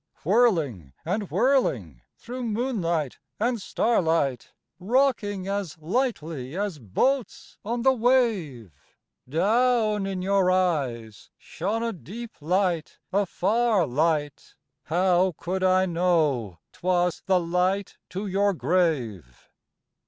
Whirling and whirling through moonlight and starlight. Rocking as lightly as boats on the wave, Down in your eyes shone a deep light—a far light, How could I know 'twas the light to your grave?